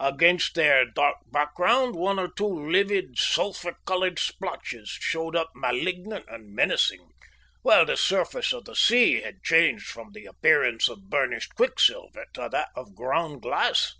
Against their dark background one or two livid, sulphur coloured splotches showed up malignant and menacing, while the surface of the sea had changed from the appearance of burnished quicksilver to that of ground glass.